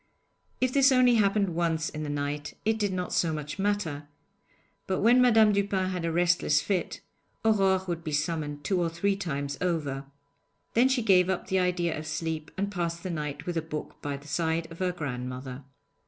If this only happened once in the night it did not so much matter; but when Madame Dupin had a restless fit, Aurore would be summoned two or three times over. Then she gave up the idea of sleep, and passed the night with a book by the side of her grandmother.